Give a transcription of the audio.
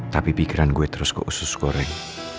tapi pikiran gue terus kok usus goreng